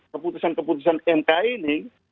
keputusan keputusan mk ini